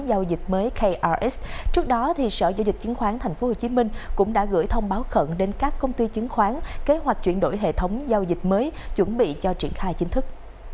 giao dịch mới krs trước đó sở giao dịch chứng khoán tp hcm cũng đã gửi thông báo khẩn đến các công ty chứng khoán kế hoạch chuyển đổi hệ thống giao dịch mới chuẩn bị cho triển khai chính thức